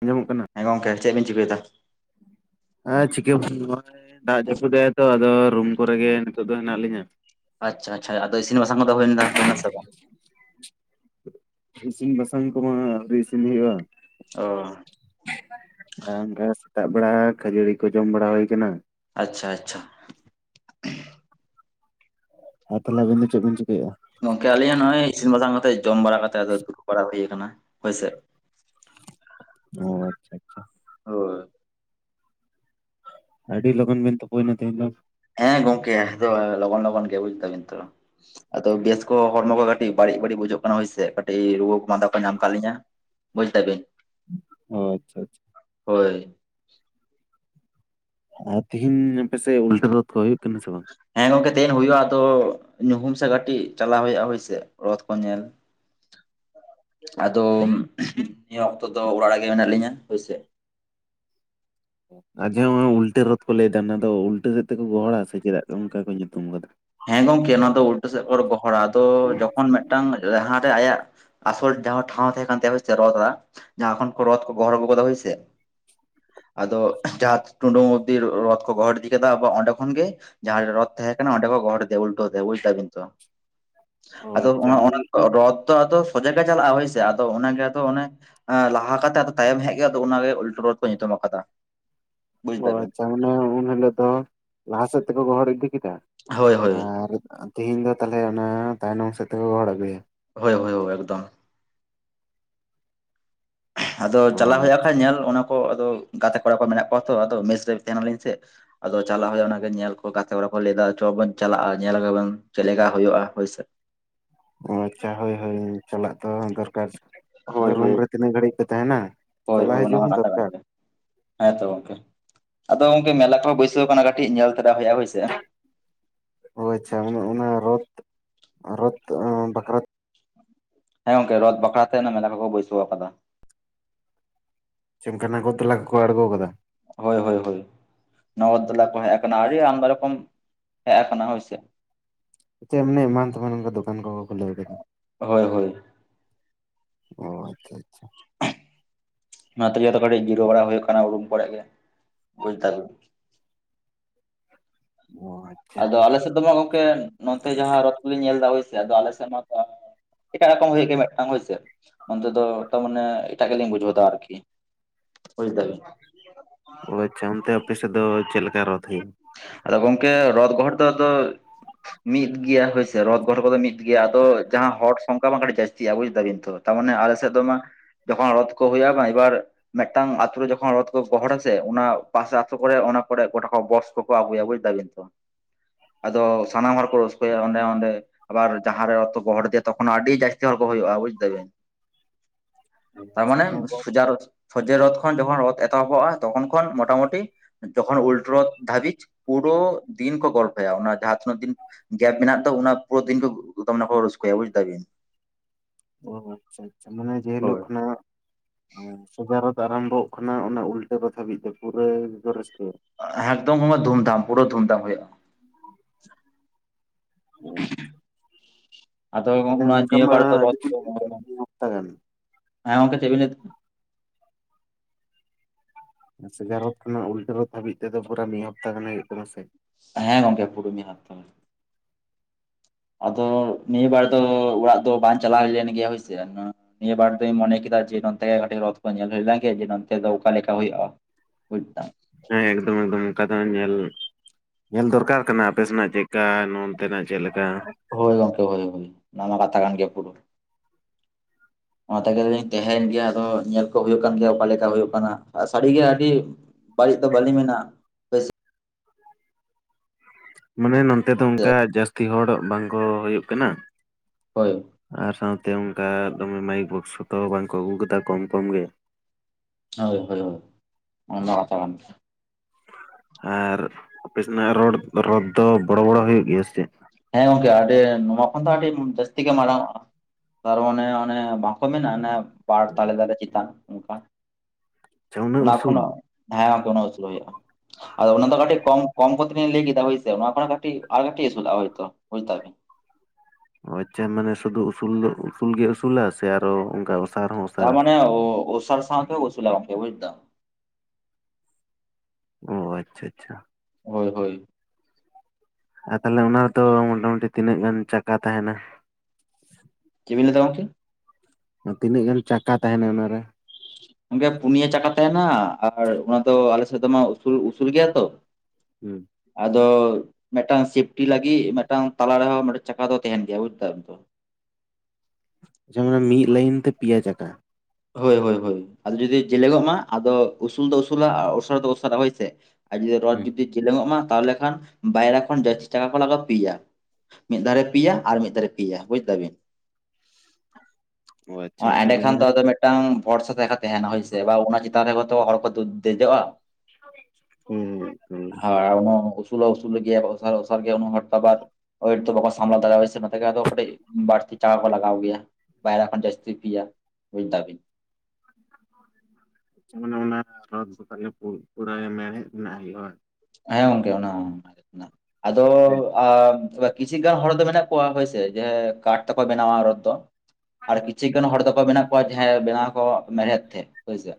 ᱟᱧᱡᱚᱢᱚᱜ ᱠᱟᱱᱟ ᱦᱮᱸ ᱜᱚᱝᱠᱮ ᱪᱮᱜ ᱵᱤᱱ ᱪᱤᱠᱟᱹᱭ ᱫᱟ ᱦᱮᱸ ᱪᱤᱠᱟᱹ ᱵᱟᱸ ᱫᱟᱜ ᱡᱟᱹᱯᱩᱫ ᱫᱟᱭ ᱛᱚ ᱟᱫᱚ ᱨᱩᱢ ᱠᱚᱨᱮᱜᱮ ᱱᱤᱛᱚᱜ ᱫᱚ ᱦᱮᱱᱟᱜ ᱞᱤᱧᱟ ᱟᱪᱪᱷᱟ ᱟᱪᱪᱷᱟ ᱟᱫᱚ ᱤᱥᱤᱱ ᱵᱟᱥᱟᱝ ᱠᱚᱫᱚ ᱦᱩᱭᱱᱟ ᱛᱟᱵᱤᱱᱟ ᱥᱮ ᱵᱟᱝ ᱤᱥᱤᱱ ᱵᱟᱥᱟᱝ ᱠᱚᱢᱟ ᱟᱹᱣᱨᱤ ᱤᱥᱤᱱ ᱦᱩᱭᱩᱜ-ᱟ ᱚ ᱦᱮᱸ ᱚᱝᱠᱟ ᱥᱮᱛᱟᱜ ᱵᱮᱲᱟ ᱠᱷᱟᱹᱡᱟᱹᱲᱤ ᱠᱚ ᱡᱚᱢ ᱵᱟᱲᱟ ᱦᱩᱭ ᱠᱟᱱᱟ ᱟᱪᱪᱷᱟ ᱟᱪᱪᱷᱟ ᱦᱮ ᱛᱟᱦᱮᱞᱮ ᱟᱵᱤᱱ ᱫᱚ ᱪᱮᱫ ᱵᱤᱱ ᱪᱤᱠᱟᱹᱭᱮᱜ-ᱟ? ᱜᱚᱝᱠᱮ ᱟᱞᱤᱧ ᱦᱚᱸ ᱱᱚᱜᱼᱚᱭ ᱤᱥᱤᱱ ᱵᱟᱥᱟᱝ ᱠᱟᱛᱮᱜ ᱡᱚᱢ ᱵᱟᱲᱟ ᱠᱟᱛᱮ ᱟᱫᱚ ᱫᱩᱲᱩᱵ ᱵᱟᱲᱟ ᱦᱩᱭ ᱠᱟᱱᱟ ᱦᱳᱭᱥᱮ᱾ [inaudible] ᱳ ᱟᱪᱪᱷᱟ ᱟᱪᱪᱷᱟ ᱦᱳᱭ ᱟᱹᱰᱤ ᱞᱚᱜᱚᱱ ᱵᱮᱱ ᱛᱟᱯᱳᱭᱱᱟ ᱛᱮᱦᱮᱱ ᱫᱚ᱾ ᱦᱮᱸ ᱜᱚᱝᱠᱮ ᱟᱫᱚ ᱞᱚᱜᱚᱱ ᱞᱚᱜᱚᱱ ᱜᱮ ᱵᱩᱡ ᱫᱟᱵᱤᱱ ᱛᱚ ᱟᱫᱚ ᱵᱮᱥ ᱠᱚ ᱦᱚᱲᱢᱚ ᱠᱚ ᱠᱟᱹᱴᱤᱡ ᱵᱟᱹᱲᱤᱡ ᱵᱟᱹᱲᱤᱡ ᱵᱩᱡᱟᱹᱜ ᱠᱟᱱᱟ ᱦᱳᱭᱥᱮ ᱠᱟᱹᱴᱤᱡ ᱨᱩᱣᱟᱹ ᱢᱟᱫᱟ ᱠᱚ ᱧᱟᱢ ᱠᱟᱜ ᱞᱤᱧᱟ᱾ ᱵᱩᱡ ᱫᱟᱵᱤᱱ ᱚ ᱟᱪᱪᱷᱟ ᱟᱪᱪᱷᱟ ᱦᱳᱭ ᱟᱨ ᱛᱤᱦᱤᱧ ᱟᱯᱮᱥᱮᱡ ᱩᱞᱴᱟᱹ ᱨᱚᱛ ᱠᱚ ᱦᱩᱭᱩᱜ ᱠᱟᱱᱟ ᱥᱮ ᱵᱟᱝ? ᱦᱮᱸ ᱜᱚᱝᱠᱮ ᱛᱮᱦᱮᱱ ᱦᱩᱭᱩᱜ ᱟᱫᱚ ᱧᱩᱦᱩᱢ ᱥᱮ ᱠᱟᱹᱴᱤᱡ ᱪᱟᱞᱟᱣ ᱦᱩᱭᱩᱜᱼᱟ ᱦᱳᱭᱥᱮ ᱨᱚᱛ ᱠᱚ ᱧᱮᱞ᱾ ᱟᱫᱚ ᱱᱤᱭᱟᱹ ᱚᱠᱛᱚ ᱫᱚ ᱚᱲᱟᱜ ᱨᱮᱝᱮ ᱢᱮᱱᱟᱜ ᱞᱤᱧᱟᱹ ᱦᱳᱭᱥᱮ᱾ ᱟ ᱡᱟᱦᱟᱸ ᱚᱱᱟ ᱩᱞᱴᱟᱹ ᱨᱚᱛ ᱠᱚ ᱞᱟᱹᱭᱫᱟ ᱚᱱᱟ ᱫᱚ ᱩᱞᱴᱟᱹ ᱨᱮᱫ ᱛᱮᱠᱚ ᱜᱚᱦᱚᱲᱟ ᱥᱮ ᱪᱮᱫᱟᱜ ᱚᱱᱠᱟ ᱠᱚ ᱧᱩᱛᱩᱢ ᱠᱟᱫᱟ? ᱦᱮᱸ ᱜᱚᱝᱠᱮ ᱱᱚᱣᱟ ᱫᱚ ᱩᱞᱴᱟᱹ ᱥᱮᱫ ᱠᱚ ᱜᱚᱦᱚᱲᱟ ᱟᱫᱚ ᱡᱚᱠᱷᱚᱱ ᱢᱤᱫᱴᱟᱝ ᱡᱟᱦᱟᱸᱨᱮ ᱟᱭᱟᱜ ᱟᱥᱚᱞ ᱡᱟᱦᱟᱸ ᱴᱷᱟᱶ ᱛᱟᱦᱮᱸ ᱠᱟᱱ ᱛᱟᱭᱟ ᱦᱚᱭᱥᱮ ᱨᱚᱛ ᱟᱜ ᱡᱟᱦᱟᱸ ᱠᱷᱚᱱ ᱠᱚ ᱨᱚᱛ ᱠᱚ ᱜᱚᱦᱚᱲ ᱟᱜᱩ ᱠᱟᱫᱟ ᱦᱳᱭ ᱥᱮ ᱟᱫᱚ ᱡᱟᱦᱟᱸ ᱴᱩᱸᱰᱩᱝ ᱚᱫᱤ ᱨᱚᱛ ᱠᱚ ᱜᱚᱦᱚᱲ ᱤᱫᱤ ᱠᱮᱫᱟ ᱟᱵ ᱚᱸᱰᱮ ᱠᱷᱚᱱᱜ ᱜᱮ, ᱡᱟᱦᱟᱸ ᱨᱮ ᱨᱚᱛ ᱛᱟᱦᱮᱸ ᱠᱟᱱᱟ ᱚᱸᱰᱮ ᱠᱚ ᱜᱚᱦᱚᱲ ᱤᱫᱤᱭᱟ ᱩᱞᱴᱟᱹ ᱛᱮ ᱵᱩᱡ ᱫᱟᱵᱤᱱ ᱵᱤᱱ ᱛᱚ, ᱚ ᱟᱫᱚ ᱟᱪᱪᱷᱟ ᱚᱱᱟ ᱩᱱ ᱚᱱᱟ ᱨᱚᱛ ᱡᱚ ᱟᱫᱚ ᱥᱚᱡᱮᱜᱮ ᱪᱟᱞᱟᱜᱼᱟ ᱦᱳᱭᱥᱮ ᱟᱫᱚ ᱚᱱᱟ ᱜᱮᱛᱚ ᱚᱱᱮ ᱮᱸ ᱞᱟᱦᱟ ᱠᱟᱛᱮᱜ ᱟᱫᱚ ᱛᱟᱭᱚᱢ ᱦᱮᱡ ᱜᱮ ᱟᱫᱚ ᱚᱱᱟ ᱨᱮ ᱩᱞᱴᱟᱹ ᱨᱚᱰ ᱠᱚ ᱧᱩᱛᱩᱢ ᱟᱠᱟᱫᱟ᱾ ᱵᱩᱡ ᱚ ᱫᱟᱵᱤᱱ ᱟᱪᱷᱟ ᱢᱟᱱᱮ ᱩᱱ ᱦᱤᱞᱳᱜ ᱫᱚ ᱞᱟᱦᱟ ᱥᱮᱫ ᱛᱮᱠᱚ ᱜᱚᱦᱚᱲ ᱤᱫᱤ ᱠᱮᱫᱟ ᱦᱳᱭ ᱦᱳᱭ ᱟᱨ ᱛᱤᱦᱤᱧ ᱫᱚ ᱛᱟᱦᱞᱮ ᱚᱱᱟ ᱛᱟᱭᱱᱚᱢ ᱥᱮᱫ ᱛᱮᱠᱚ ᱜᱚᱦᱚᱲ ᱟᱹᱜᱩᱭᱟ᱾ ᱦᱳᱭ ᱦᱳᱭ ᱦᱳᱭ ᱮᱠᱫᱚᱢ ᱟᱫᱚ ᱚ ᱪᱟᱞᱟᱜ ᱦᱩᱭᱩᱜ ᱟᱪᱪᱷᱟ ᱠᱷᱟᱡ ᱧᱮᱞ ᱚᱱᱟ ᱠᱚ ᱟᱫᱚ ᱜᱟᱛᱮ ᱠᱚᱲᱟ ᱠᱚ ᱢᱮᱱᱟᱜ ᱠᱚᱣᱟ ᱛᱚ ᱟᱫᱚ ᱢᱮᱥ ᱨᱮ ᱛᱟᱦᱮᱱᱟᱹᱞᱤᱧ ᱥᱮ᱾ ᱟᱫᱚ ᱪᱟᱞᱟᱜ ᱦᱩᱭᱩᱜᱼᱟ ᱚᱱᱟᱜᱮ ᱧᱮᱞ ᱠᱚ ᱜᱟᱛᱮ ᱠᱚᱲᱟ ᱠᱚ ᱞᱟᱹᱭ ᱫᱟ ᱪᱚᱵᱚᱱ ᱪᱟᱞᱟᱜᱼᱟ ᱧᱮᱞ ᱟᱹᱜᱩᱭ ᱵᱚᱱ ᱪᱮᱫ ᱞᱮᱠᱟ ᱦᱩᱭᱩᱜᱼᱟ ᱦᱳᱭᱥᱮ᱾ ᱚ ᱟᱪᱷᱟ ᱦᱳᱭ ᱦᱳᱭ ᱪᱟᱞᱟᱜ ᱛᱚ ᱫᱚᱨᱠᱟᱨ᱾ ᱟᱫᱚ ᱦᱳᱭ ᱨᱩᱢ ᱦᱳᱭ ᱨᱮ ᱛᱤᱱᱟᱹᱜ ᱜᱷᱟᱹᱲᱤᱡ ᱠᱚ ᱛᱟᱦᱮᱱᱟ, ᱦᱳᱭ ᱪᱟᱞᱟᱜ ᱦᱳᱭ ᱚᱱᱟ ᱦᱤᱡᱩᱜ ᱢᱟ ᱦᱚᱸ ᱠᱟᱛᱷᱟ ᱠᱟᱱ ᱫᱚᱨᱠᱟᱨ᱾ ᱜᱮᱭᱟ ᱦᱮᱸ ᱛᱚ ᱜᱚᱝᱠᱮ, ᱟᱫᱚ ᱜᱚᱝᱠᱮ ᱢᱮᱞᱟ ᱠᱚᱦᱚᱸ ᱵᱟᱹᱭᱥᱟᱹᱣ ᱠᱟᱱᱟ ᱠᱟᱹᱴᱤᱡ ᱧᱮᱞ ᱛᱟᱨᱟ ᱦᱩᱭᱩᱜᱼᱟ ᱦᱳᱭᱥᱮ᱾ ᱚ ᱟᱪᱷᱟ ᱚᱱᱟ ᱨᱚᱛ ᱨᱚᱛ ᱵᱟᱠᱨᱚᱛ ᱦᱮᱸ ᱜᱚᱝᱠᱮ ᱨᱚᱛ ᱵᱟᱠᱷᱨᱟᱛᱮ ᱚᱱᱟ ᱢᱮᱞᱟ ᱠᱚᱠᱚ ᱵᱟᱹᱭᱥᱟᱹᱣ ᱟᱠᱟᱫᱟ ᱾ ᱪᱮᱢᱠᱟ ᱱᱚᱜᱚᱨᱫᱚᱞᱟ ᱠᱚ ᱟᱬᱜᱚᱣ ᱠᱟᱫᱟ ᱦᱳᱭ ᱦᱳᱭ ᱦᱳᱭ ᱱᱚᱜᱚᱫᱽᱫᱚᱞᱟ ᱠᱚ ᱦᱮᱡ ᱟᱠᱟᱱᱟ ᱟᱹᱰᱤ ᱟᱢᱫᱟ ᱨᱚᱠᱚᱢ ᱦᱮᱡ ᱟᱠᱟᱱᱟ ᱦᱚᱭᱥᱮ᱾ ᱛᱮ ᱮᱢᱟ ᱮᱢᱟᱱ ᱛᱮᱢᱟᱱ ᱠᱟ ᱫᱚᱠᱟᱱ ᱠᱚᱠᱚ ᱠᱷᱩᱞᱟᱹᱣ ᱠᱟᱫᱟ᱾ ᱦᱳᱭ ᱦᱳᱭ ᱚ ᱟᱪᱷᱟ ᱟᱪᱷᱟ ᱚᱱᱟ ᱛᱮᱜᱮ ᱡᱚᱛᱚ ᱠᱟᱹᱴᱤᱡ ᱡᱤᱨᱟᱹᱣ ᱵᱟᱲᱟ ᱦᱩᱭᱩᱜ ᱠᱟᱱᱟ ᱨᱩᱢ ᱠᱚᱨᱮ ᱜᱮ ᱵᱩᱡᱽ ᱫᱟᱵᱮᱱ᱾ ᱚ ᱟᱪᱪᱷᱟ ᱟᱫᱚ ᱟᱞᱮ ᱥᱮᱫ ᱫᱚ ᱢᱟ ᱜᱚᱝᱠᱮ ᱱᱚᱛᱮ ᱡᱟᱦᱟᱸ ᱨᱚᱛ ᱧᱮᱞ ᱫᱟ ᱦᱳᱭᱥᱮ ᱟᱫᱚ ᱟᱞᱮ ᱥᱮᱫ ᱢᱟ ᱛᱚ ᱮᱴᱟᱜ ᱨᱚᱠᱚᱢ ᱜᱮ ᱢᱤᱫᱴᱟᱝ ᱦᱚᱳᱭᱥᱮ ᱚᱱᱛᱮ ᱫᱚ ᱛᱟᱨ ᱢᱟᱱᱮ ᱮᱴᱟᱜ ᱜᱮᱞᱤᱧ ᱵᱩᱡᱷᱟᱹᱣ ᱫᱟ ᱟᱨᱠᱤ ᱵᱩᱡᱽ ᱫᱟᱹᱵᱤᱱ ᱚ ᱟᱪᱷᱟ ᱚᱱᱛᱮ ᱚᱯᱮ ᱥᱮᱫ ᱫᱚ ᱪᱮᱫ ᱞᱮᱠᱟ ᱨᱳᱛ ᱦᱩᱭᱩᱜᱼᱟ? ᱟᱫᱚ ᱜᱚᱝᱠᱮ ᱨᱚᱛ ᱜᱚᱦᱚᱲ ᱫᱚ ᱟᱫᱚ ᱢᱤᱫ ᱜᱮᱭᱟ ᱦᱳᱭᱥᱮ ᱨᱚᱛ ᱜᱚᱦᱚᱲ ᱠᱚᱫᱚ ᱢᱤᱫ ᱜᱮᱭᱟ ᱟᱫᱚ ᱡᱟᱦᱟᱸ ᱦᱚᱲ ᱥᱚᱝᱠᱷᱟ ᱢᱟ ᱠᱟᱹᱴᱤᱡ ᱡᱟᱹᱥᱛᱤ ᱟ ᱵᱩᱡᱽ ᱫᱟᱵᱤᱱ ᱛᱷᱚ ᱛᱟᱨᱢᱟᱱᱮ ᱟᱞᱮ ᱥᱮᱫ ᱫᱚ ᱢᱟ ᱡᱚᱠᱷᱚᱱ ᱨᱚᱛ ᱠᱚ ᱦᱩᱭᱩᱜᱼᱟ ᱵᱟᱝ ᱮᱵᱟᱨ ᱢᱤᱫᱴᱟᱝ ᱟᱛᱳ ᱨᱮ ᱡᱚᱠᱷᱚᱱ ᱨᱚᱛ ᱠᱚ ᱜᱚᱦᱚᱲ ᱥᱮ ᱚᱱᱟ ᱯᱟᱥᱮ ᱟᱛᱳ ᱠᱚᱨᱮ ᱚᱱᱟ ᱠᱚᱨᱮ ᱜᱚᱴᱟ ᱠᱚ ᱵᱚᱥ ᱠᱚᱠᱚ ᱟᱹᱜᱩᱭᱟ ᱵᱩᱡᱽ ᱫᱟᱵᱤᱱ ᱛᱚ, ᱟᱫᱚ ᱥᱟᱱᱟᱢ ᱦᱚᱲ ᱠᱚ ᱨᱟᱹᱥᱠᱟᱹᱭᱟ ᱚᱸᱰᱮ ᱚᱸᱰᱮ᱾ ᱟᱵᱟᱨ ᱡᱟᱦᱟᱸᱨᱮ ᱨᱚᱛ ᱠᱚ ᱜᱚᱦᱚᱲ ᱤᱫᱤᱭᱟ ᱛᱚᱠᱷᱚᱱ ᱟᱹᱰᱤ ᱡᱟᱹᱥᱛᱤ ᱦᱚᱲ ᱠᱚ ᱦᱩᱭᱩᱜᱼᱟ ᱵᱩᱡᱽ ᱫᱟᱹᱵᱤᱱ ᱛᱟᱨ ᱢᱟᱱᱮ ᱥᱩᱡᱟᱨ ᱥᱚᱡᱮ ᱨᱚᱛ ᱠᱷᱚᱱ ᱡᱚᱠᱷᱚᱱ ᱨᱚᱛ ᱮᱛᱚᱦᱚᱵᱚᱜᱼᱟ ᱛᱚᱠᱷᱚᱱ ᱠᱷᱚᱱ ᱢᱚᱴᱟᱢᱩᱴᱤ ᱡᱚᱠᱷᱚᱱ ᱩᱞᱴᱨᱚ ᱫᱷᱟᱹᱵᱤᱪ ᱯᱩᱨᱚ ᱫᱤᱱ ᱠᱚ ᱜᱚᱞᱯᱚᱭᱟ ᱚᱱᱟ ᱡᱟᱦᱟᱸ ᱛᱤᱱᱟᱹᱜ ᱫᱤᱱ ᱜᱮᱯ ᱢᱮᱱᱟᱜ ᱛᱚ ᱚᱱᱟ ᱯᱩᱨ ᱫᱤᱱ ᱫᱚ ᱚᱱᱟ ᱠᱚ ᱨᱟᱹᱥᱠᱟᱹᱭᱟ ᱵᱩᱡᱽ ᱫᱟᱵᱤᱱ ᱚ ᱟᱪᱷᱟ ᱟᱪᱷᱟ ᱢᱟᱱᱮ ᱡᱮᱦᱤᱞᱳᱜ ᱦᱳᱭ ᱠᱷᱚᱱᱟᱜ ᱮᱸ ᱥᱩᱵᱮᱛ ᱵᱷᱟᱨᱚᱛ ᱟᱨᱟᱢᱵᱷᱚᱜ ᱠᱟᱱᱟ ᱚᱱᱟ ᱩᱞᱴᱟᱹ ᱨᱚᱛ ᱦᱟᱹᱵᱤᱡ ᱛᱮ ᱯᱩᱨᱟᱹ ᱨᱟᱹᱥᱠᱟᱹ ᱮᱠᱫᱚᱢ ᱚᱱᱟ ᱫᱷᱩᱢᱫᱷᱟᱢ ᱯᱩᱨᱟᱹ ᱫᱷᱩᱢᱫᱷᱟᱢ ᱦᱩᱭᱩᱜᱼᱟ ᱾ ᱟᱫᱚ ᱛᱟᱦᱚᱞᱮ ᱚᱱᱟ ᱚᱱᱠᱟ ᱱᱤᱭᱟᱹ ᱢᱟ ᱵᱟᱨ ᱫᱚ ᱟᱹᱰᱤ ᱨᱚᱛ ᱫᱤᱱ ᱫᱚ ᱦᱩᱭᱩᱜ ᱠᱟᱱᱟ ᱢᱤᱫ ᱦᱟᱯᱛᱟ ᱦᱮᱸ ᱜᱚᱝᱠᱮ ᱪᱮᱫ ᱵᱤᱱ ᱞᱟᱹᱭ ᱫᱟ ᱥᱮᱜᱟᱨᱚᱛ ᱠᱷᱚᱱᱟᱜ ᱩᱞᱴᱟᱹ ᱨᱚᱛ ᱦᱟᱹᱵᱤᱡ ᱛᱮᱫᱚ ᱯᱩᱨᱟᱹ ᱢᱤᱫ ᱦᱟᱯᱛᱟ ᱜᱟᱱᱮ ᱦᱩᱭᱩᱜ ᱛᱟᱢᱟ ᱥᱮ ᱦᱮᱸ ᱜᱚᱝᱠᱮ ᱯᱩᱨᱟᱹ ᱢᱤᱫ ᱦᱟᱯᱛᱟ ᱟᱫᱚ ᱱᱤᱭᱟᱹ ᱵᱟᱨ ᱫᱚ ᱚᱲᱟᱜ ᱫᱚ ᱵᱟᱝ ᱪᱟᱞᱟᱣ ᱞᱮᱱ ᱜᱮᱭᱟ ᱦᱳᱭᱥᱮ ᱟᱱᱚ ᱱᱤᱭᱟᱹ ᱵᱟᱨ ᱫᱚᱧ ᱢᱚᱱᱮ ᱠᱮᱫᱟ ᱡᱮ ᱱᱚᱛᱮ ᱠᱟᱹᱴᱤᱡ ᱨᱚᱛ ᱠᱚ ᱧᱮᱞ ᱦᱩᱭᱩᱜ ᱠᱮ ᱡᱮ ᱱᱚᱱᱛᱮ ᱫᱚ ᱚᱠᱟ ᱞᱮᱠᱟ ᱦᱩᱭᱩᱜᱼᱟ? ᱠᱚᱴ [unintelligible] ᱦᱮᱸ ᱮᱠᱫᱚᱢ ᱮᱠᱫᱚᱢ ᱚᱝᱠᱟ ᱛᱮᱦᱚᱸ ᱧᱮᱞ ᱧᱮᱞ ᱫᱚᱨᱠᱟᱨ ᱠᱟᱱᱟ ᱟᱯᱮ ᱥᱮᱱᱟᱜ ᱪᱮᱜ ᱞᱮᱠᱟ ᱱᱚᱱᱛᱮ ᱱᱟᱜ ᱪᱮᱫ ᱞᱮᱠᱟ ᱦᱳᱭ ᱜᱚᱢᱠᱮ ᱦᱳᱭ ᱦᱳᱭ ᱚᱱᱟᱢᱟ ᱠᱟᱛᱷᱟ ᱠᱟᱱ ᱜᱮ ᱯᱩᱨᱟᱹ ᱚᱱᱟ ᱛᱮᱜᱮᱞᱤᱧ ᱛᱟᱦᱮᱸᱭᱮᱱ ᱜᱮᱭᱟ ᱟᱫᱚ ᱧᱮᱞ ᱠᱚ ᱦᱩᱭᱩᱜ ᱠᱟᱱ ᱜᱮᱭᱟ ᱚᱠᱟ ᱞᱮᱠᱟ ᱦᱩᱭᱩᱜ ᱠᱟᱱᱟ ᱥᱟᱹᱨᱤ ᱜᱮ ᱟᱹᱰᱤ ᱵᱟᱹᱲᱤᱡ ᱫᱚ ᱵᱟᱹᱞᱤᱧ ᱢᱮᱱᱟ ᱢᱟᱱᱮ ᱱᱚᱱᱛᱮ ᱫᱚ ᱚᱱᱠᱟ ᱡᱟᱹᱥᱛᱤ ᱦᱚᱲ ᱵᱟᱝᱠᱚ ᱦᱩᱭᱩᱜ ᱠᱟᱱᱟ ᱦᱳᱭ ᱟᱨ ᱥᱟᱶᱛᱮ ᱚᱱᱠᱟ ᱫᱚᱢᱮ ᱢᱟᱭᱤᱠ ᱵᱚᱠᱥ ᱦᱚᱸᱛᱚ ᱵᱟᱝ ᱠᱚ ᱟᱹᱜᱩ ᱠᱟᱫᱟ ᱠᱚᱢ ᱠᱚᱢ ᱜᱮ [unintelligible] ᱟᱨ ᱟᱯᱮ ᱥᱮᱱᱟᱜ ᱨᱚᱰ ᱨᱚᱛ ᱫᱚ ᱵᱚᱲᱚ ᱵᱚᱲᱚ ᱦᱩᱭᱩᱜ ᱜᱮᱭᱟ ᱥᱮ ᱪᱮᱫ? ᱦᱮᱸ ᱜᱚᱝᱠᱮ ᱟᱹᱰᱤ ᱱᱚᱣᱟ ᱠᱷᱚᱱ ᱫᱚ ᱟᱹᱰᱤ ᱡᱟᱹᱥᱛᱤ ᱜᱮ ᱢᱟᱲᱟᱝ ᱚᱜ-ᱟ᱾ ᱛᱟᱨ ᱢᱚᱱᱮ ᱚᱱᱮ ᱵᱟᱝᱠᱚ ᱢᱮᱱᱟ ᱮᱱᱮ ᱵᱟᱲ ᱛᱟᱞᱮ ᱫᱟᱨᱮ ᱪᱮᱛᱟᱱ ᱚᱱᱠᱟ ᱟᱪᱪᱷᱟ ᱩᱱᱟᱹᱜ ᱚᱱᱟ ᱠᱷᱚᱱ ᱩᱥᱩᱞ ᱦᱚᱸ ᱦᱮᱸ ᱟᱫᱚ ᱚᱱᱟᱫᱚ ᱥᱞᱳ ᱦᱩᱭᱩᱜ-ᱟ ᱟᱫᱚ ᱚᱱᱟ ᱫᱚ ᱠᱟᱹᱴᱤᱡ ᱠᱚᱢ ᱠᱚᱢ ᱠᱚ [unintelligible] ᱞᱟᱹᱭ ᱠᱮᱫᱟ ᱦᱳᱭ ᱥᱮ ᱚᱱᱟ ᱠᱷᱚᱱᱟᱜ ᱠᱟᱴᱤᱡ ᱟᱨ ᱠᱟᱴᱤᱡ ᱩᱥᱩᱞᱚᱜ-ᱟ ᱦᱚᱭᱛᱚ [unintelligible] [unintelligible] ᱢᱟᱱᱮ ᱥᱩᱫᱩ ᱩᱥᱩᱞ [unintelligible] ᱩᱥᱩᱞ ᱜᱮ ᱩᱥᱩᱞᱟ ᱥᱮ ᱟᱨᱚ ᱚᱱᱠᱟ ᱚᱥᱟᱨ ᱦᱚᱸ ᱚᱥᱟᱨᱟ? ᱛᱟᱨ ᱢᱟᱱᱮ ᱚᱻᱚᱥᱟᱨ ᱥᱟᱶᱛᱮ ᱩᱥᱩᱞᱟ ᱜᱚᱝᱠᱮ ᱵᱩᱡᱽᱫᱟᱢ᱾ ᱚ ᱟᱪᱪᱷᱟ ᱟᱪᱪᱷᱟ ᱦᱳᱭ ᱦᱳᱭ ᱟᱨ ᱛᱟᱦᱚᱞᱮ ᱚᱱᱟ ᱫᱚ ᱢᱚᱴᱟᱢᱚᱴᱤ ᱛᱤᱱᱟᱹᱜ ᱜᱟᱱ ᱪᱟᱠᱟ ᱛᱟᱦᱮᱱᱟ? ᱪᱮᱵᱤᱱ ᱞᱟᱹᱭ ᱫᱚ ᱜᱚᱝᱠᱮ? [unintelligible] ᱛᱤᱱᱟᱹᱜ [unintelligible] ᱪᱟᱠᱟ ᱛᱟᱦᱮᱱᱟ ᱚᱱᱟᱨᱮ? ᱜᱚᱝᱠᱮ ᱯᱩᱱᱭᱟᱹ ᱪᱟᱠᱟ ᱛᱟᱦᱮᱱᱟ ᱟᱨ [unintelligible] ᱚᱱᱟᱫᱚ ᱟᱞᱮᱥᱮᱫ ᱫᱚ ᱢᱟ ᱩᱥᱩᱞ ᱩᱥᱩᱞ ᱜᱮᱭᱟ ᱛᱚ ᱦᱩᱸ ᱟᱫᱚ ᱢᱤᱫᱴᱟᱝ ᱥᱮᱯᱴᱤ ᱞᱟᱹᱜᱤᱫ ᱢᱤᱫᱴᱟᱝ ᱛᱟᱞᱟ ᱨᱮᱦᱚᱸ ᱢᱤᱫᱟᱝ ᱪᱟᱠᱟ ᱫᱚ ᱛᱟᱦᱮᱱ ᱜᱮᱭᱟ ᱵᱩᱡ ᱫᱟᱢ ᱛᱚ ᱡᱮᱢᱚᱱ ᱢᱤᱫ ᱞᱟᱭᱤᱱ ᱛᱮ ᱯᱮᱭᱟ ᱪᱟᱠᱟ ᱦᱳᱭ ᱦᱳᱭ ᱦᱳᱭ ᱟᱫᱚ ᱡᱩᱫᱤ ᱡᱤᱞᱤᱧᱚᱜ ᱢᱟ ᱟᱫᱚ ᱩᱥᱩᱞ ᱫᱚ ᱩᱥᱩᱞᱟ ᱟᱨ ᱚᱥᱟᱨ ᱫᱚ ᱚᱥᱟᱨᱟ ᱦᱳᱭᱥᱮ ᱟᱨ ᱡᱩᱫᱤ ᱨᱚᱛ ᱦᱩᱸ ᱡᱩᱫᱤ ᱡᱤᱞᱤᱧᱚᱜ ᱢᱟ ᱛᱟᱦᱞᱮ ᱠᱷᱟᱱ ᱵᱟᱭᱨᱟ ᱠᱷᱟᱱ ᱡᱟᱹᱥᱛᱤ ᱪᱟᱠᱟ ᱠᱚ ᱞᱟᱜᱟᱣᱟ ᱯᱤᱭᱟ᱾ ᱢᱤᱫ ᱫᱷᱟᱨᱮ ᱯᱮᱭᱟ ᱟᱨ ᱢᱤᱫ ᱫᱷᱟᱨᱮ ᱯᱮᱭᱟ ᱵᱩᱡ ᱫᱟᱵᱤᱱ ᱚ ᱟᱪᱪᱷᱟ ᱟᱪᱪᱷᱟ ᱮᱸᱰᱮ ᱢᱟᱱᱮ ᱠᱷᱟᱱ ᱫᱚ ᱟᱫᱚ ᱢᱤᱫᱴᱟᱝ ᱵᱷᱳᱨᱥ-ᱟ ᱛᱟᱦᱮ ᱠᱷᱟᱡ ᱛᱟᱦᱮ-ᱱᱟ ᱦᱳᱭᱥᱮ [unintelligible] ᱫᱟᱨᱮ [unintelligible] ᱦᱚᱲ ᱠᱚ ᱫᱮᱡᱚᱜᱼᱟ ᱦᱩᱸ ᱦᱩᱸ [unintelligible] ᱩᱥᱩᱞ ᱦᱚ ᱩᱥᱩᱞ ᱜᱮᱭᱟ ᱩᱥᱚᱨ ᱦᱚ ᱩᱥᱟᱹᱨᱟ ᱩᱱᱟᱹᱜ [unintelligible] ᱣᱮᱴ ᱫᱚ ᱵᱟᱝᱠᱩ ᱥᱟᱢᱵᱲᱟᱣ ᱫᱚᱨᱤᱣᱟᱭᱟ ᱥᱮ ᱩᱱᱟᱛᱤᱜᱤ ᱟᱫᱚ ᱠᱟᱴᱤᱡ ᱵᱟᱲᱛᱤ ᱪᱟᱠᱟ ᱠᱩ ᱞᱟᱜᱟᱣ ᱜᱤᱭᱟ ᱵᱟᱭᱨᱟ ᱠᱷᱚᱱ ᱡᱟᱹᱥᱛᱤ ᱯᱤᱭᱟ ᱵᱩᱡᱽᱫᱟᱵᱤᱱ᱾ ᱟᱪᱽᱪᱷᱟ ᱢᱟᱱᱮ ᱚᱱᱟ ᱨᱚᱛ ᱫᱚ ᱛᱟᱦᱞᱮ ᱯᱩᱜ-ᱯᱩᱨᱟᱹ ᱢᱮᱬᱦᱮᱫ ᱨᱮᱱᱟᱜ ᱦᱩᱭᱩᱜᱼᱟ ᱵᱟᱝ? ᱦᱮᱸ ᱜᱚᱝᱠᱮ ᱚᱱᱟ ᱦᱚᱸ ᱟᱫᱚ ᱥᱮ? ᱟ [unintelligible] ᱠᱤᱪᱷᱩ ᱜᱟᱱ ᱦᱚᱲ ᱫᱚ ᱢᱮᱱᱟᱜ ᱠᱚᱣᱟ ᱦᱳᱭᱥᱮ ᱡᱮ ᱠᱟᱴ ᱛᱮᱠᱚ ᱵᱮᱱᱟᱣᱟ ᱨᱚᱛ ᱫᱚ ᱟᱨ ᱠᱤᱪᱷᱤᱠ ᱜᱟᱱ ᱦᱚᱲ ᱫᱚᱠᱚ ᱢᱮᱱᱟᱜ ᱠᱚᱭᱟ ᱡᱟᱦᱟᱸᱭ ᱵᱮᱱᱟᱣᱟ ᱠᱚ ᱢᱮᱲᱦᱮᱫ ᱛᱮ ᱦᱳᱭᱥᱮ᱾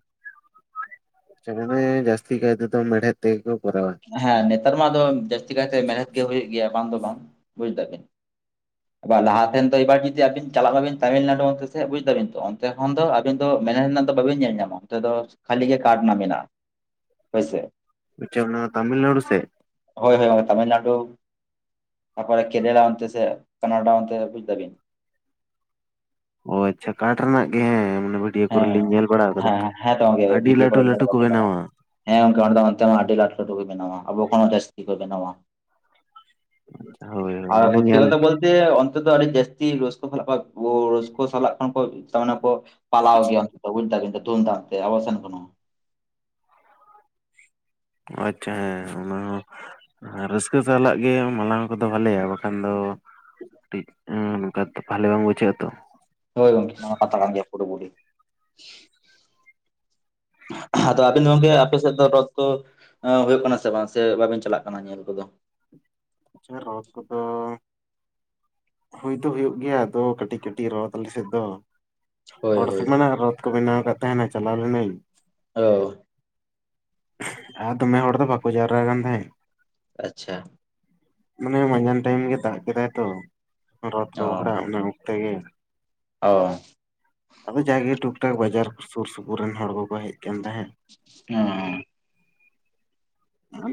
[unintelligible] ᱡᱟᱹᱥᱛᱤ ᱠᱟᱭ ᱛᱮ ᱫᱚ ᱢᱮᱲᱦᱮᱫ ᱛᱮᱜᱮ ᱠᱚ ᱠᱚᱨᱟᱣᱟ ᱦᱮᱸ ᱱᱮᱛᱟᱨ ᱢᱟ ᱟᱫᱚ ᱡᱟᱹᱥᱛᱤ ᱠᱟᱭᱛᱮ ᱢᱮᱲᱦᱮᱫ ᱜᱮ ᱦᱩᱭᱩᱜ ᱜᱮᱭᱟ ᱵᱟᱝ ᱫᱚ ᱵᱟᱝ ᱵᱩᱡᱽ ᱫᱟᱵᱤᱱ ᱵᱟ ᱞᱟᱦᱟ ᱛᱮᱱ ᱛᱚ ᱮᱵᱟᱨ ᱡᱩᱫᱤ ᱟᱵᱤᱱ ᱪᱟᱞᱟᱜ ᱢᱟᱵᱤᱱ ᱛᱟᱢᱤᱞᱱᱟᱲᱩ ᱚᱱᱛᱮ ᱥᱮᱫ ᱵᱩᱡᱽ ᱫᱟᱵᱤᱱ ᱛᱚ ᱚᱱᱛᱮ ᱠᱷᱚᱱ ᱫᱚ ᱟ [unintelligible] ᱟᱵᱮᱱ ᱫᱚ ᱢᱮᱨᱦᱮᱫ ᱨᱮᱱᱟᱜ ᱫᱚ ᱵᱟᱵᱤᱱ ᱧᱮᱞ ᱧᱟᱢᱟ ᱚᱱᱛᱮ ᱫᱚ ᱠᱷᱟᱞᱤ ᱜᱮ ᱠᱟᱴ ᱨᱮᱱᱟᱜ ᱢᱮᱱᱟᱜ ᱼᱟ ᱦᱳᱭᱥᱮ ᱟᱪᱷᱟ ᱚᱱᱟ ᱫᱚ ᱛᱟᱢᱤᱞᱱᱟᱲᱩ ᱥᱮᱡ ᱦᱳᱭ ᱦᱳᱭ ᱛᱟᱢᱤᱞᱱᱟᱰᱩ ᱛᱟᱯᱚᱨᱮ ᱠᱮᱫᱮᱞᱟ ᱚᱱᱛᱮ ᱥᱮᱜ ᱠᱟᱱᱟᱰᱟ ᱚᱱᱛᱮ ᱵᱩᱡᱽ ᱫᱟᱵᱤᱱ ᱚ ᱟᱪᱪᱷᱟ ᱠᱟᱴ ᱨᱮᱱᱟᱜ ᱜᱮ ᱦᱮ [unintelligible] ᱳᱰᱤᱭᱳ ᱠᱚᱨᱮ ᱦᱮᱸ ᱞᱤᱧ ᱧᱮᱞ ᱵᱟᱲᱟ ᱠᱟᱫᱟ ᱦᱮᱸ ᱦᱮᱸ ᱛᱚ ᱜᱚᱝᱠᱮ ᱟᱹᱰᱤ ᱵᱷᱤᱰᱭᱳ ᱞᱟᱹᱴᱩ ᱠᱚᱨᱮ ᱧᱮᱞ ᱞᱟᱹᱴᱩ ᱠᱚ ᱵᱟᱲᱟ ᱦᱩᱭ ᱠᱟᱱᱟ ᱵᱮᱱᱟᱣᱟ ᱦᱮᱸ ᱜᱚᱝᱠᱮ ᱚᱸᱰᱮ ᱫᱚ ᱚᱱᱛᱮ ᱢᱟ ᱟᱹᱰᱤ ᱞᱟᱹᱴᱩ ᱞᱟᱹᱴᱩ ᱜᱮ ᱵᱮᱱᱟᱣᱟ ᱟᱵᱚ ᱠᱷᱚᱱ ᱦᱚᱸ ᱡᱟᱹᱥᱛᱤ ᱠᱚ ᱵᱮᱱᱟᱣᱟ ᱦᱳᱭ ᱦᱳᱭ ᱟᱨ ᱢᱟᱱᱮ ᱥᱚᱛᱛᱤ ᱧᱮᱞ ᱠᱚᱛᱷᱟ ᱵᱚᱞ ᱛᱮ ᱚᱱᱛᱮ ᱫᱚ ᱟᱹᱰᱤ ᱡᱟᱹᱥᱛᱤ ᱨᱟᱹᱥᱠᱟᱹ ᱥᱟᱞᱟᱜ ᱨᱤᱥᱠᱟᱳ ᱥᱟᱞᱟᱜ ᱠᱷᱚᱱ ᱠᱚ ᱫᱟᱱ ᱟᱠᱚ ᱯᱟᱞᱟᱣ ᱜᱮᱭᱟᱠᱚ ᱵᱩᱡ ᱫᱟᱲᱮ ᱛᱩᱢᱫᱟᱜ ᱛᱮ ᱟᱵᱚ ᱥᱮᱱ ᱫᱚ ᱱᱚᱝ ᱟᱪᱪᱷᱟ ᱦᱮᱸᱻ ᱚᱱᱟ ᱦᱚᱸ ᱨᱟᱹᱥᱠᱟᱹ ᱥᱟᱞᱟᱜ ᱜᱮ ᱢᱟᱞᱟᱝ ᱠᱚᱫᱚ ᱵᱷᱟᱞᱮᱭᱟ ᱵᱟᱠᱷᱟᱱ ᱫᱚ ᱴᱤᱡ ᱟᱸ ᱚᱱᱠᱟ ᱵᱷᱟᱞᱮ ᱵᱟᱝ ᱵᱩᱡᱷᱟᱹᱜᱼᱟ ᱛᱚ ᱦᱳᱭ ᱜᱚᱢᱠᱮ ᱱᱚᱣᱟ ᱜᱮᱭᱟ [unintelligible] ᱚᱫᱚ ᱟᱵᱮᱱ ᱜᱚᱢᱠᱮ ᱟᱯᱮ ᱥᱮᱫ ᱫᱚ ᱨᱚᱛ ᱛᱚ ᱦᱳᱭᱳᱜ ᱠᱟᱱᱟ ᱥᱮ ᱵᱟᱝ ᱥᱮ ᱵᱟᱵᱤᱱ ᱪᱟᱞᱟᱜ ᱠᱟᱱᱟ ᱧᱮᱞ ᱠᱚᱫᱚ ᱟᱪᱪᱷᱟ ᱨᱚᱛ ᱠᱚᱫᱚ ᱦᱩᱭ ᱫᱚ ᱦᱩᱭᱩᱜ ᱜᱮᱭᱟ ᱟᱫᱚ ᱠᱟᱹᱴᱤᱡ ᱠᱟᱹᱴᱤᱡ ᱨᱚᱛ ᱟᱞᱮ ᱥᱮᱫ ᱫᱚ ᱦᱳᱭ ᱦᱚᱲ ᱦᱳᱭ ᱥᱚᱢᱟᱱᱟᱜ ᱨᱚᱛ ᱠᱚ ᱵᱮᱱᱟᱣ ᱠᱟᱫ ᱛᱟᱦᱮᱱᱟ ᱪᱟᱞᱟᱣ ᱞᱤᱱᱟᱹᱧ ᱚᱻ ᱟᱨ ᱫᱚᱢᱮ ᱦᱚᱲ ᱫᱚ ᱵᱟᱠᱚ ᱡᱟᱣᱨᱟ ᱠᱟᱱ ᱛᱟᱦᱮᱸᱫ ᱟᱪᱪᱷᱟ ᱢᱟᱱᱮ ᱢᱟᱸᱡᱟᱱ ᱴᱟᱭᱤᱢ ᱜᱮ ᱫᱟᱜ ᱠᱮᱫᱟᱭ ᱛᱚ ᱨᱚᱛ ᱠᱚ ᱚ ᱜᱚᱦᱚᱲᱟ ᱚᱱᱮ ᱚᱠᱛᱮ ᱜᱮ ᱚ ᱟᱫᱚ ᱡᱟᱜᱮ ᱴᱩᱠ ᱴᱟᱠ ᱵᱟᱡᱟᱨ ᱥᱩᱨ ᱥᱩᱯᱩᱨ ᱨᱮᱱ ᱦᱚᱲ ᱠᱚᱠᱚ ᱦᱮᱡ ᱠᱟᱱ ᱛᱟᱦᱮᱸᱫ ᱚ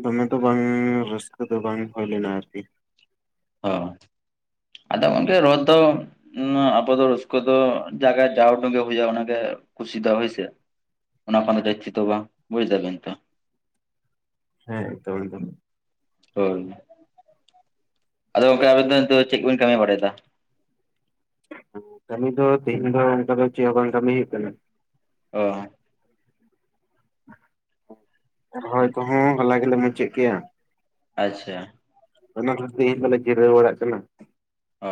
ᱫᱚᱢᱮ ᱫᱚ ᱵᱟᱝ ᱨᱟᱹᱥᱠᱟᱹ ᱫᱚ ᱵᱟᱝ ᱦᱳᱭ ᱞᱮᱱᱟ ᱟᱨᱠᱤ ᱦᱚ ᱟᱫᱚ ᱜᱚᱢᱠᱮ ᱨᱚᱛ ᱫᱚ ᱚᱱᱟ ᱟᱵᱚ ᱫᱚ ᱨᱟᱹᱥᱠᱟᱹ ᱫᱚ ᱡᱟᱜᱮ ᱡᱟᱣᱰᱩᱝᱜᱮ ᱦᱩᱭᱩᱜ-ᱟ ᱚᱱᱟᱜᱮ ᱠᱩᱥᱤ ᱫᱚ ᱦᱳᱭᱥᱮ ᱚᱱᱟ ᱠᱷᱚᱱᱫᱚ ᱡᱟᱭᱛᱤ ᱫᱚ ᱵᱟᱝ ᱵᱩᱡ ᱫᱟᱵᱤᱱ ᱛᱚ ᱦᱮᱸ [unintelligible] ᱦᱳᱭ, ᱟᱫᱚ ᱜᱚᱝᱠᱮ ᱟᱵᱤᱱ ᱫᱚ ᱱᱤᱛᱚᱜ ᱫᱚ ᱪᱮᱫ ᱠᱚᱵᱤᱱ ᱠᱟᱹᱢᱤ ᱵᱟᱲᱟᱭᱫᱟ᱾ ᱠᱟᱹᱢᱤ ᱫᱚ ᱛᱮᱦᱮᱧ ᱫᱚ ᱚᱱᱠᱟ ᱫᱚ ᱪᱮᱫ ᱦᱚᱵᱟᱝ ᱠᱟᱹᱢᱤ ᱦᱩᱭᱩᱜ ᱠᱟᱱᱟ᱾ ᱚ ᱨᱚᱦᱚᱭ ᱠᱚᱦᱚᱸ ᱦᱚᱞᱟ ᱜᱮᱞᱮ ᱢᱩᱪᱟᱹᱫ ᱠᱮᱭᱟ᱾ ᱟᱪᱪᱷᱟ [unintelligible] ᱛᱤᱦᱤᱧ ᱡᱤᱨᱟᱹᱣ ᱵᱟᱲᱟᱜ ᱠᱟᱱᱟ᱾ ᱚ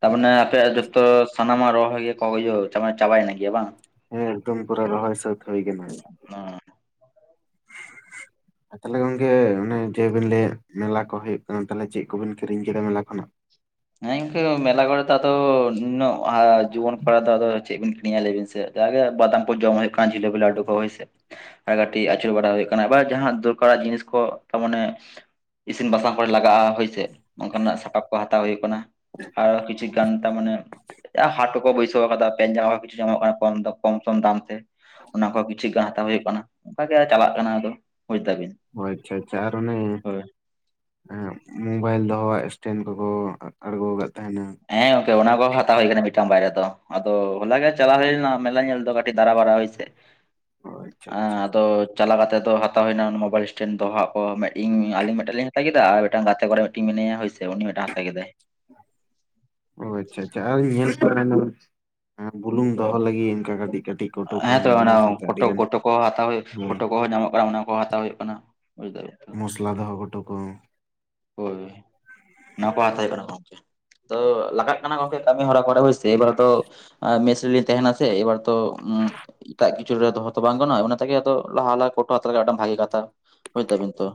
ᱛᱟᱨᱢᱟᱱᱮ ᱟᱯᱮᱭᱟᱜ ᱡᱚᱛᱚ ᱥᱟᱱᱟᱢᱟᱜ ᱨᱚᱦᱚᱭ ᱜᱮᱭᱟ ᱠᱚ [unintelligible] ᱪᱟᱵᱟᱭᱮᱱ ᱜᱮᱭᱟ ᱵᱟᱝ? ᱦᱮᱸ ᱮᱠᱫᱚᱢ ᱯᱩᱨᱟᱹ ᱨᱚᱦᱚᱭ ᱥᱟᱹᱛ ᱦᱳᱭ ᱠᱟᱱᱟ᱾ ᱚ [inaudible] ᱛᱟᱦᱞᱮ ᱜᱚᱝᱠᱮ ᱚᱱᱮ ᱡᱮᱵᱤᱱ ᱞᱟᱹᱭᱮᱫ ᱢᱮᱞᱟ ᱠᱚ ᱦᱩᱭᱩᱜ ᱠᱟᱱᱟ᱾ ᱛᱟᱦᱚᱞᱮ ᱪᱮᱫ ᱠᱚᱵᱤᱱ ᱠᱤᱨᱤᱧ ᱠᱮᱫᱟ ᱢᱮᱞᱟ ᱠᱷᱚᱱᱟᱜ? ᱦᱮᱸ ᱤᱱᱠᱟᱹ ᱢᱮᱞᱟ ᱠᱚᱨᱮ ᱫᱚ ᱟᱫᱚ ᱱᱩᱱᱟᱹᱜ ᱡᱩᱣᱟᱹᱱ ᱠᱚᱲᱟ ᱫᱚ ᱟᱫᱚ ᱪᱮᱫ ᱵᱤᱱ ᱠᱤᱨᱤᱧᱟ ᱞᱮᱵᱤᱱ ᱥᱮ ᱡᱟ ᱜᱮ ᱵᱟᱫᱟᱢ ᱠᱚ ᱡᱚᱢ ᱦᱳᱭᱳᱜ ᱠᱟᱱᱟ ᱡᱷᱤᱠᱟᱹᱯᱤ ᱠᱟᱰᱩ ᱠᱚ ᱦᱳᱭ ᱥᱮ ᱟᱨ ᱠᱟᱹᱴᱤᱡ ᱟᱹᱪᱩᱨ ᱵᱟᱲᱟ ᱦᱳᱭᱳᱜ ᱠᱟᱱᱟ ᱟᱵᱟᱨ ᱡᱟᱦᱟᱸ ᱫᱚᱨᱠᱟᱨᱟᱜ ᱡᱤᱱᱤᱥ ᱠᱚ ᱛᱟ ᱢᱟᱱᱮ ᱤᱥᱤᱱ ᱵᱟᱥᱟᱝ ᱠᱚᱨᱮ ᱞᱟᱜᱟᱜᱼᱟ ᱦᱳᱭᱥᱮ ᱚᱱᱠᱟᱱᱟᱜ ᱥᱟᱯᱟᱯ ᱠᱚ ᱦᱟᱛᱟᱣ ᱦᱳᱭᱳᱜ ᱠᱟᱱᱟ ᱟᱨ ᱠᱤᱪᱷᱩ ᱜᱟᱱ ᱛᱟ ᱢᱟᱱᱮ ᱦᱟᱴ ᱠᱚᱠᱚ ᱵᱟᱹᱭᱥᱟᱹᱣ ᱠᱟᱫᱟ ᱯᱮᱱᱴ ᱡᱟᱢᱟ ᱠᱚ ᱠᱤᱪᱷᱩ ᱧᱟᱢᱚᱜ ᱠᱟᱱᱟ ᱠᱚᱢ ᱠᱚᱢ ᱥᱚᱢ ᱫᱟᱢ ᱛᱮ᱾ ᱚᱱᱟ ᱠᱚᱦᱚᱸ ᱠᱤᱪᱷᱩ ᱜᱟᱱ ᱦᱟᱛᱟᱣ ᱦᱳᱭᱳᱜ ᱠᱟᱱᱟ ᱚᱱᱠᱟ ᱜᱮ ᱪᱟᱞᱟᱜ ᱠᱟᱱᱟ ᱟᱫᱚ ᱵᱩᱡᱽ ᱫᱟᱵᱤᱱ᱾ ᱚ ᱟᱪᱪᱷᱟ ᱟᱪᱪᱷᱟ ᱟᱨ ᱚᱱᱮ ᱦᱳᱭ ᱢᱳᱵᱟᱭᱤᱞ ᱫᱚᱦᱚ ᱥᱴᱮᱱ ᱠᱚᱠᱚ ᱟᱲᱜᱳ ᱠᱟᱫ ᱛᱟᱦᱮᱱᱟ᱾ ᱦᱮᱸ ᱜᱚᱝᱠᱮ ᱚᱱᱟ ᱠᱚ ᱦᱟᱛᱟᱣ ᱦᱳᱭ ᱠᱟᱱᱟ ᱢᱤᱫᱴᱟᱝ ᱵᱟᱭᱨᱟ ᱫᱚ ᱟᱫᱚ ᱦᱚᱞᱟ ᱜᱮ ᱪᱟᱞᱟᱣ ᱦᱳᱭ ᱞᱮᱱᱟ ᱢᱮᱞᱟ ᱧᱮᱞ ᱫᱚ ᱠᱟᱹᱴᱤᱡ ᱫᱟᱨᱟ ᱵᱟᱨᱟ ᱦᱳᱭ ᱥᱮ ᱚ ᱟᱪᱪᱷᱟ ᱟᱪᱪᱷᱟ, ᱟᱫᱚ ᱪᱟᱞᱟ ᱠᱟᱛᱮ ᱫᱚ ᱦᱟᱛᱟ ᱦᱳᱭ ᱱᱟ ᱢᱳᱵᱟᱭᱤᱞ ᱥᱴᱮᱱᱰ ᱫᱚᱦᱚᱣᱟᱜ ᱚ ᱤᱧ ᱟᱞᱤᱧ ᱢᱤᱫᱴᱟᱝ ᱞᱤᱧ ᱦᱟᱛᱟᱣ ᱠᱮᱫᱟ ᱟᱨ ᱢᱤᱫᱴᱟᱝ ᱜᱟᱛᱮ ᱠᱚᱨᱟ ᱢᱤᱫᱴᱤᱱ ᱢᱮᱱᱟᱭᱟ ᱦᱳᱭ ᱥᱮ ᱩᱱᱤ ᱢᱤᱫᱴᱟᱝ ᱦᱟᱛᱟ ᱠᱮᱫᱟᱭ᱾ [inaudible] ᱚ ᱟᱪᱪᱷᱟ ᱟᱪᱪᱷᱟ ᱟᱨ ᱵᱩᱞᱩᱝ ᱫᱚᱦᱚ ᱞᱟᱹᱜᱤᱫ ᱚᱱᱠᱟ ᱠᱟᱹᱴᱤᱡ ᱠᱟᱹᱴᱤᱡ ᱠᱚᱴᱳ ᱠᱚ ᱦᱮᱸᱛᱚ ᱦᱮᱱᱟᱜᱼᱟ ᱚᱱᱟ ᱥᱟᱶᱛᱮ ᱠᱚᱴᱳ ᱟᱹᱰᱤᱜᱟᱱ ᱠᱚᱴᱳ ᱠᱚ ᱦᱟᱛᱟᱣ ᱠᱚᱴᱳ ᱠᱚᱦᱚᱸ ᱧᱟᱢᱚᱜ ᱠᱟᱱᱟ ᱚᱱᱟ ᱠᱚᱦᱚᱸ ᱦᱟᱛᱟᱣ ᱦᱳᱭᱳᱜ ᱠᱟᱱᱟ᱾ ᱵᱩᱡᱽ ᱫᱟᱵᱤᱱ ᱛᱚ [unintelligible] ᱫᱚᱦᱚ ᱜᱳᱰᱳ ᱠᱚ ᱦᱳᱭ ᱚᱱᱟ ᱠᱚ ᱦᱟᱛᱟᱣ ᱠᱟᱱᱟ ᱜᱚᱝᱠᱮ ᱛᱚ ᱞᱟᱜᱟᱜ ᱠᱟᱱᱟ ᱜᱚᱢᱠᱮ ᱠᱟᱹᱢᱤ ᱦᱚᱨᱟ ᱠᱚᱨᱮ ᱥᱮ ᱮᱵᱟᱨ ᱛᱚ ᱢᱮᱥᱨᱤᱞᱤᱧ ᱛᱟᱦᱮᱱᱟ ᱥᱮ ᱮᱵᱟᱨ ᱛᱚ ᱮᱴᱟᱜ ᱠᱤᱪᱷᱩ ᱨᱮ ᱫᱚᱦᱚ ᱛᱚ ᱵᱟᱝ ᱜᱟᱱᱚᱜᱼᱟ ᱚᱱᱟ ᱛᱮᱜᱮ ᱞᱟᱦᱟ ᱞᱟᱦᱟ ᱠᱚᱴᱳ ᱦᱟᱛᱟ ᱞᱮᱠᱷᱟᱱ ᱢᱤᱫᱴᱟᱝ ᱵᱷᱟᱜᱮ ᱠᱟᱛᱷᱟ᱾ ᱦᱳᱭ ᱛᱚ ᱦᱳᱭ [unintelligible] ᱛᱚ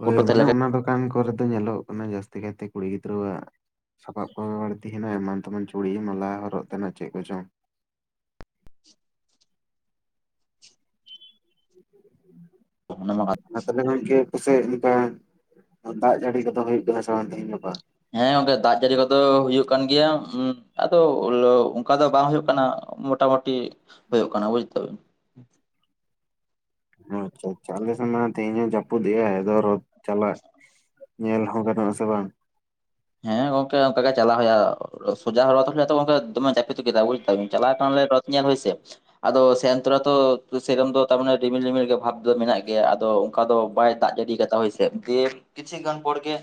ᱦᱳᱭ ᱠᱳᱴᱳ ᱛᱟᱦᱮᱸ ᱢᱟᱱᱮ ᱞᱮᱱᱠᱷᱟᱱ ᱚᱱᱟ ᱫᱚᱠᱟᱱ ᱠᱚᱨᱮ ᱫᱚ ᱧᱮᱞᱚᱜᱚᱜ ᱠᱟᱱᱟ ᱡᱟᱹᱥᱛᱤ ᱠᱟᱭᱛᱮ ᱠᱩᱲᱤ ᱜᱤᱫᱽᱨᱟᱹᱣᱟᱜ ᱥᱟᱯᱟᱵ ᱠᱚ ᱵᱟᱹᱲᱛᱤ ᱦᱮᱱᱟᱜᱼᱟ ᱮᱢᱟᱱ ᱛᱮᱢᱟᱱ ᱪᱩᱲᱤ ᱢᱟᱞᱟ ᱦᱚᱨᱚᱜ ᱛᱮᱱᱟᱜ ᱪᱮᱫ ᱠᱚᱪᱚᱝ [inaudible] ᱢᱟ ᱛᱟᱦᱚᱞᱮ ᱜᱚᱝᱠᱮ ᱯᱟᱥᱮᱡ ᱚᱱᱠᱟ ᱫᱟᱜ ᱡᱟᱹᱲᱤ ᱠᱚᱫᱚ ᱦᱩᱭᱩᱜ ᱠᱟᱱᱟ ᱥᱮ ᱵᱟᱝ ᱛᱮᱦᱮᱧ ᱜᱟᱯᱟ? ᱦᱮᱸ ᱜᱚᱝᱠᱮ ᱫᱟᱜ ᱡᱟᱹᱲᱤ ᱠᱚᱫᱚ ᱦᱩᱭᱩᱜ ᱠᱟᱱ ᱜᱮᱭᱟ ᱟᱫᱚ ᱚᱱᱠᱟ ᱫᱚ ᱵᱟᱝ ᱦᱩᱭᱩᱜ ᱠᱟᱱᱟ ᱢᱳᱴᱟᱢᱩᱴᱤ ᱦᱩᱭᱩᱜ ᱠᱟᱱᱟ ᱵᱩᱡ ᱫᱟᱵᱹᱤᱱ ᱟᱪᱪᱷᱟ ᱟᱞᱮ ᱥᱮ ᱢᱟ ᱛᱮᱦᱮᱧ ᱦᱚ ᱡᱟᱹᱯᱩᱫ ᱮᱜᱼᱟᱭ ᱾ ᱟᱫᱚ ᱨᱚᱛᱷ ᱪᱟᱞᱟᱜ ᱧᱮᱞ ᱦᱚᱸ ᱜᱟᱱᱚᱜ ᱟᱥᱮ ᱵᱟᱝ ᱦᱮᱸ ᱜᱚᱝᱠᱮ ᱚᱱᱠᱟ ᱜᱮ ᱪᱟᱞᱟᱜ ᱦᱩᱭᱩᱜᱼᱟ ᱥᱳᱡᱷᱟ ᱨᱚᱛᱷ ᱦᱤᱞᱚᱜ ᱛᱚ ᱜᱚᱝᱠᱮ ᱫᱚᱢᱮ ᱡᱟᱹᱯᱩᱫ ᱠᱮᱫᱟ ᱵᱩᱡ ᱫᱟᱵᱤᱱ ᱪᱟᱞᱟᱜ ᱠᱷᱟᱱ ᱞᱮ ᱧᱮᱞ ᱦᱚᱭ ᱥᱮ ᱟᱫᱚ ᱥᱮᱱ ᱛᱚᱨᱟ ᱛᱚ ᱥᱮᱨᱚᱠᱚᱢ ᱫᱚ ᱛᱟᱨ ᱢᱟᱱᱮ ᱨᱤᱢᱤᱞ ᱨᱤᱢᱤᱞ ᱜᱮ ᱵᱷᱟᱵ ᱫᱚ ᱢᱮᱱᱟᱜ ᱜᱮᱭᱟ ᱟᱫᱚ ᱚᱱᱠᱟ ᱫᱚ ᱵᱟᱭ ᱫᱟᱜ ᱡᱟᱹᱲᱤ ᱠᱟᱫᱟ ᱦᱚᱭ ᱥᱮ ᱫᱤᱭᱮ ᱠᱤᱪᱷᱩ ᱜᱟᱱ ᱯᱚᱨ ᱜᱮ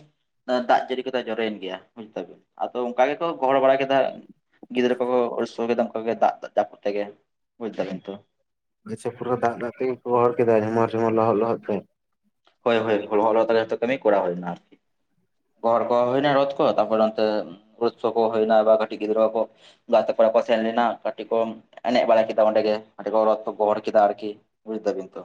ᱫᱟᱜ ᱡᱟᱹᱲᱤ ᱠᱚᱫᱚ ᱡᱚᱨᱚᱭᱮᱱ ᱜᱮᱭᱟ ᱵᱩᱡ ᱫᱟᱹᱵᱮᱱ ᱟᱫᱚ ᱚᱱᱠᱟ ᱜᱮᱠᱚ ᱜᱚᱦᱚᱲ ᱵᱟᱲᱟ ᱠᱮᱫᱟ ᱜᱤᱫᱽᱨᱟᱹ ᱠᱚᱠᱚ ᱟᱹᱲᱥᱟᱹ ᱠᱮᱫᱟ ᱚᱱᱠᱟᱜᱮ ᱫᱟᱜ ᱡᱟᱹᱯᱩᱫ ᱛᱮᱜᱮ ᱵᱩᱡᱽ ᱫᱟᱵᱮᱱ ᱛᱚ ᱟᱪᱪᱷᱟ ᱯᱩᱨᱟᱹ ᱫᱟᱜ ᱫᱟᱜ ᱛᱮᱜᱮᱠᱚ ᱜᱚᱦᱚᱲ ᱠᱮᱫᱟ ᱡᱷᱚᱢᱚᱨ ᱡᱷᱚᱢᱚᱨ ᱞᱚᱦᱚᱫ ᱞᱚᱦᱚᱫ ᱛᱮ? ᱦᱳᱭ ᱦᱳᱭ ᱞᱚᱦᱚᱫ ᱞᱚᱦᱚᱫ ᱛᱮᱜᱮ ᱡᱷᱚᱛᱚ ᱠᱟᱹᱢᱤ ᱠᱚᱨᱟᱣ ᱦᱩᱭᱱᱟ ᱟᱨᱠᱤ ᱜᱚᱦᱚᱨ ᱠᱚᱦᱚ ᱦᱩᱭᱱᱟ ᱨᱚᱫ ᱠᱚ ᱛᱟᱨᱯᱚᱨ ᱚᱱᱛᱮ ᱩᱫᱥᱚᱵ ᱠᱚ ᱦᱩᱭᱱᱟ ᱵᱟ ᱠᱟᱹᱴᱤᱡ ᱜᱤᱫᱽᱨᱟᱹ ᱠᱚ ᱜᱟᱛᱮ ᱠᱚᱲᱟ ᱠᱚ ᱥᱮᱱ ᱞᱮᱱᱟ ᱠᱟᱹᱴᱤᱡ ᱠᱚ ᱮᱱᱮᱡ ᱵᱟᱲᱟ ᱠᱮᱫᱟ ᱚᱸᱰᱮᱜ ᱜᱮ ᱠᱟᱹᱴᱤᱡ ᱠᱚ ᱜᱚᱦᱚᱲ ᱠᱮᱫᱟ ᱟᱨᱠᱤ ᱵᱩᱡ ᱫᱟᱵᱤᱱ ᱛᱚ?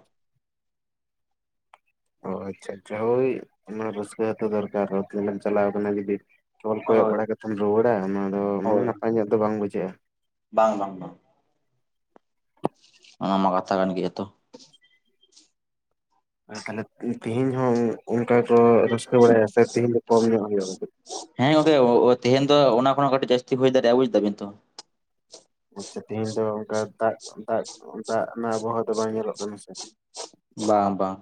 ᱚ ᱟᱪᱪᱷᱟ ᱟᱪᱪᱷᱟ ᱾ ᱦᱳᱭ ᱚᱱᱟ ᱨᱟᱹᱥᱠᱟᱹ ᱦᱚᱛᱚ ᱫᱚᱨᱠᱟᱨ ᱨᱚᱛᱷ ᱧᱮᱞᱮᱢ ᱪᱟᱞᱟᱣ ᱠᱟᱱᱟ ᱡᱩᱫᱤ ᱛᱚᱞ ᱠᱚᱭᱚᱜ ᱦᱳᱭ ᱵᱟᱲᱟ ᱠᱟᱛᱮᱢ ᱨᱩᱣᱟᱹᱲᱟ ᱚᱱᱟ ᱫᱚ ᱢᱟᱱᱮ ᱦᱳᱭ ᱱᱟᱯᱟᱭ ᱧᱚᱜ ᱫᱚ ᱵᱟᱝ ᱵᱩᱡᱷᱟᱹᱜᱼᱟ ᱵᱟᱝ ᱵᱟᱝ ᱵᱟᱝ ᱚᱱᱟ ᱢᱟ ᱠᱟᱛᱷᱟ ᱠᱟᱱᱟᱱ ᱜᱮᱭᱟ ᱛᱚ ᱛᱟᱦᱚᱞᱮ ᱛᱮᱦᱮᱧ ᱦᱚᱸ ᱚᱱᱠᱟ ᱠᱚ ᱨᱟᱹᱥᱠᱟᱹ ᱵᱟᱲᱟᱭᱟ ᱥᱮ ᱛᱮᱦᱮᱧ ᱫᱚ ᱠᱚᱢ ᱧᱚᱜ ᱦᱩᱭᱩᱜᱼᱟ? ᱦᱮᱸ ᱜᱚᱝᱠᱮ ᱛᱮᱦᱮᱧ ᱫᱚ ᱚᱱᱟ ᱠᱷᱚᱱᱟᱜ ᱠᱟᱹᱴᱤᱡ ᱡᱟᱹᱥᱛᱤ ᱦᱩᱭ ᱫᱟᱲᱮᱭᱟᱜᱼᱟ ᱵᱩᱡ ᱫᱟᱹᱵᱤᱱ ᱛᱚ ᱾ ᱟᱪᱪᱷᱟ ᱛᱮᱦᱤᱧ ᱫᱚ ᱚᱱᱠᱟ ᱫᱟᱜ ᱫᱟᱜ ᱫᱟᱜ ᱨᱮᱱᱟᱜ ᱟᱵᱚᱦᱟᱣᱟ ᱫᱚ ᱵᱟᱝ ᱧᱮᱞᱚᱜ ᱠᱟᱱᱟ ᱥᱮ ᱵᱟᱝ ᱵᱟᱝ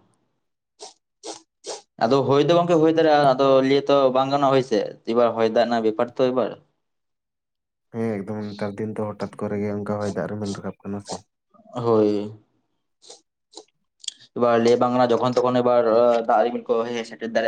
ᱟᱫᱚ ᱦᱳᱭ ᱫᱚ ᱜᱚᱝᱠᱮ ᱦᱳᱭ ᱫᱟᱲᱮᱭᱟᱜᱼᱟ ᱟᱫᱚ ᱞᱟᱹᱭ ᱜᱮᱛᱚ ᱵᱟᱝ ᱜᱟᱱᱚᱜᱼᱟ ᱦᱳᱭᱥᱮ ᱮᱵᱟᱨ ᱦᱚᱭ ᱫᱟᱜ ᱨᱮᱱᱟᱜ ᱵᱮᱯᱟᱨ ᱛᱚ ᱮᱵᱟᱨ ᱦᱮᱸ ᱮᱠᱫᱚᱢ ᱱᱮᱛᱟᱨ ᱫᱤᱱ ᱫᱚ ᱦᱚᱴᱟᱛ ᱠᱚᱨᱮ ᱜᱮ ᱚᱱᱠᱟ ᱦᱚᱭ ᱫᱟᱜ ᱨᱮᱢᱤᱞ ᱨᱟᱠᱟᱵ ᱠᱟᱱᱟ ᱥᱮ ᱦᱳᱭ ᱮᱵᱟᱨ ᱞᱮ ᱵᱟᱝ ᱜᱟᱱᱚᱜ ᱡᱠᱷᱚᱱ ᱛᱚᱠᱷᱚᱱ ᱮᱵᱟᱨ ᱫᱟᱜ ᱦᱮᱡ ᱥᱮᱴᱮᱨ ᱫᱟᱲᱮᱭᱟᱜᱼᱟ